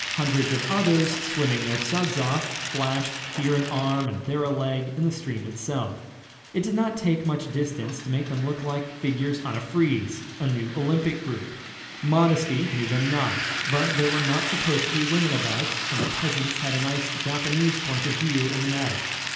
Hundreds of others, swimming their suds off, flashed here an arm and there a leg in the stream itself. It did not take much distance to make them look like figures on a frieze, a new Olympic group. Modesty knew them not, but there were not supposed to be women about, and the peasants had a nice Japanese point of view in the matter.